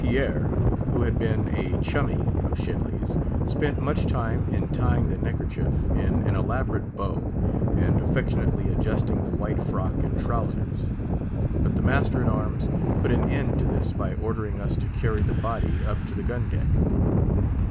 Pierre, who had been a "chummy" of Shenly's, spent much time in tying the neckerchief in an elaborate bow, and affectionately adjusting the white frock and trowsers; but the master at arms put an end to this by ordering us to carry the body up to the gun deck.